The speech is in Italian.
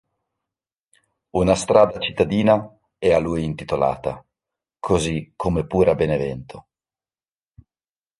Una strada cittadina è a lui intitolata, così come pure a Benevento.